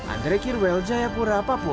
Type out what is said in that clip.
andre kirwel jayapura papua